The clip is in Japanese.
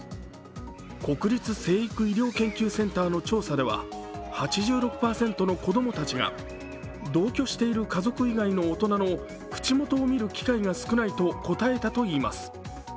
国立成育医療研究センターの調査では８６％の子供たちが同居している家族以外の大人の口元を見る機会が少ないと答えたといいます。